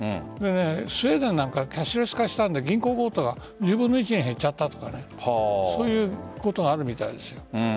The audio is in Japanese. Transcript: スウェーデンはキャッシュレス化したので銀行強盗が１０分の１に減っちゃったとかそういうことがあるみたいですよ。